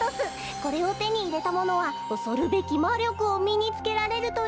これをてにいれたものはおそるべきまりょくをみにつけられるという。